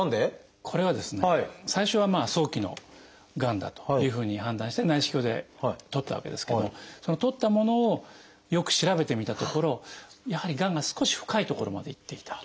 これはですね最初は早期のがんだというふうに判断して内視鏡で取ったわけですけど取ったものをよく調べてみたところやはりがんが少し深い所までいっていたと。